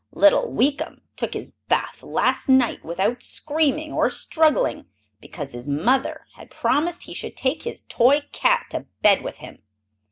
Little Weekum took his bath last night without screaming or struggling, because his mother had promised he should take his toy cat to bed with him!